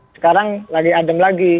sekarang lagi adem lagi